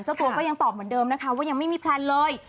เจ้าตัวก็ยังตอบเหมือนเดิมนะคะว่ายังไม่มีแพลนเลย